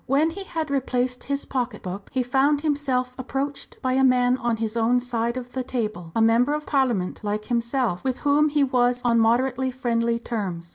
When he had replaced his pocket book, he found himself approached by a man on his own side of the table, a member of Parliament like himself, with whom he was on moderately friendly terms.